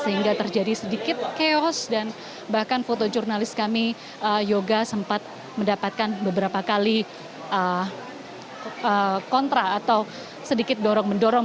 sehingga terjadi sedikit chaos dan bahkan foto jurnalis kami yoga sempat mendapatkan beberapa kali kontra atau sedikit dorong mendorong